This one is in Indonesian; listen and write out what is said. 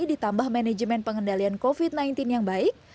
ditambah manajemen pengendalian covid sembilan belas yang baik